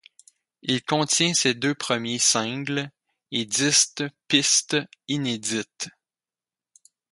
Il contient ses deux premiers singles et dix pistes inédites.